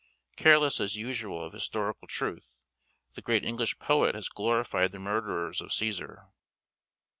Careless as usual of historical truth, the great English poet has glorified the murderers of Cæsar.